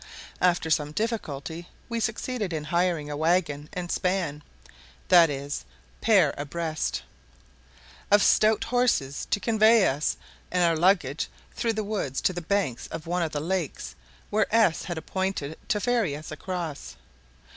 After some difficulty we succeeded in hiring a waggon and span (i.e. pair abreast) of stout horses to convey us and our luggage through the woods to the banks of one of the lakes, where S had appointed to ferry us across.